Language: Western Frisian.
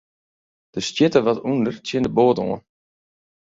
Der stjitte wat ûnder tsjin de boat oan.